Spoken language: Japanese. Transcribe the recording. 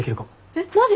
えっマジ？